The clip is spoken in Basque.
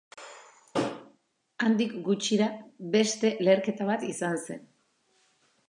Handik gutxira, beste leherketa bat izan zen.